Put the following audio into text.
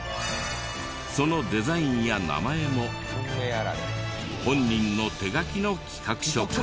そのデザインや名前も本人の手書きの企画書から。